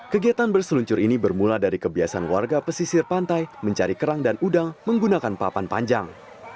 kegiatan berseluncur ini bermula dari kebiasaan warga pesisir pantai mencari kerang dan udang menggunakan papan panjang